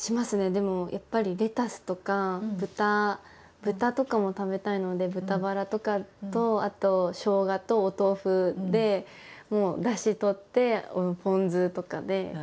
でもやっぱりレタスとか豚とかも食べたいので豚バラとかとあとしょうがとお豆腐でもうだし取ってポン酢とかで。